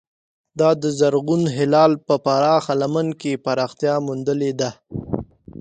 دا د زرغون هلال په پراخه لمن کې پراختیا موندلې ده.